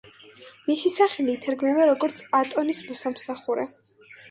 მისი სახელი ითარგმნება, როგორც „ატონის მოსამსახურე“.